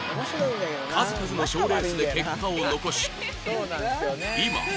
数々の賞レースで結果を残し